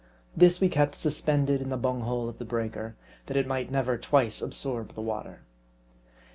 This we kept suspended in the bung hole of the breaker, that it might never twice absorb the water.